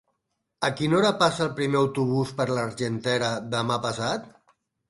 A quina hora passa el primer autobús per l'Argentera demà passat?